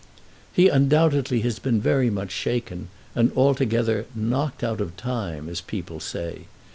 He undoubtedly has been very much shaken, and altogether "knocked out of time," as people say.